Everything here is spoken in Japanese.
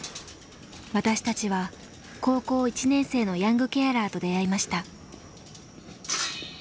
私たちは高校１年生のヤングケアラーと出会いました。